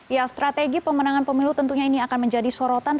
ya strategi pemenangan pemilu tentunya ini akan menjadi sorotan